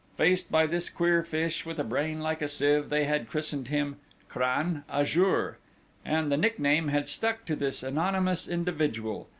Faced by this queer fish, with a brain like a sieve, they had christened him "Crâne à jour" and the nickname had stuck to this anonymous individual.